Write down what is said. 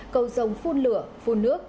cầu sông phun lửa phun nước